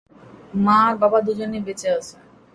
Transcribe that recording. মা আর বাবা দুজনেই বেঁচে আছেন।